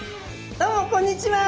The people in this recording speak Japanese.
どうもこんにちは。